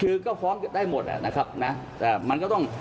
คือก็ฟ้องได้หมดอ่ะนะครับนะแต่มันก็ต้อง